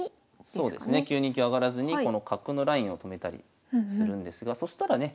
そうですね９二香上がらずにこの角のラインを止めたりするんですがそしたらね